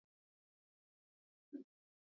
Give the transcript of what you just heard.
په نیمه شپه را شی ستا سپیره یادونه